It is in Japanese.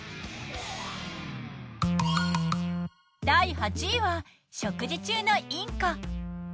第８位は食事中のインコ。